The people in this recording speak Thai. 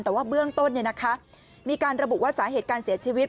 แต่ว่าเบื้องต้นมีการระบุว่าสาเหตุการเสียชีวิต